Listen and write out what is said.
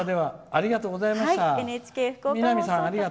ありがとうございます。